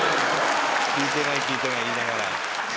聞いてない聞いてない言いながら。